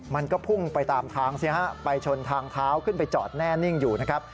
มันก็พุ่งไปตามทางสิฮะไปชนทางเท้าขึ้นไปจอดแน่นิ่งอยู่นะครับ